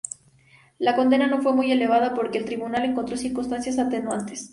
La condena no fue muy elevada porque el tribunal encontró circunstancias atenuantes.